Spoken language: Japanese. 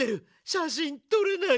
しゃしんとれない。